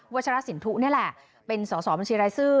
ชรสินทุนี่แหละเป็นสอสอบัญชีรายชื่อ